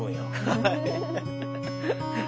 はい。